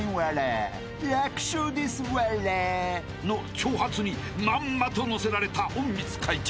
［の挑発にまんまと乗せられた隠密会長］